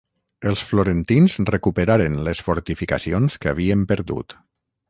Els florentins recuperaren les fortificacions que havien perdut.